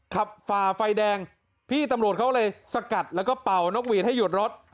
ฝ่าไฟแดงพี่ตำรวจเขาเลยสกัดแล้วก็เป่านกหวีดให้หยุดรถ